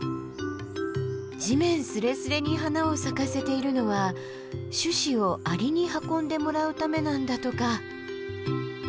地面すれすれに花を咲かせているのは種子をアリに運んでもらうためなんだとか。